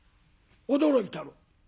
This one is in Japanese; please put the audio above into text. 驚いたろ？」。